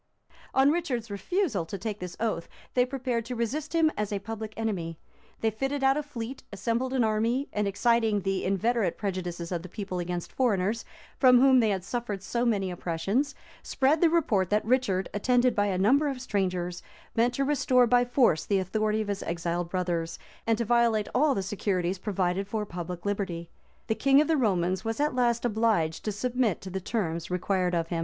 On Richard's refusal to take this oath, they prepared to resist him as a public enemy; they fitted out a fleet, assembled an army, and exciting the inveterate prejudices of the people against foreigners, from whom they had suffered so many oppressions, spread the report that Richard, attended by a number of strangers, meant to restore by force the authority of his exiled brothers, and to violate all the securities provided for public liberty. The king of the Romans was at last obliged to submit to the terms required of him.